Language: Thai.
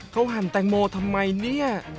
เขาหั่นแตงโมทำไมเนี่ย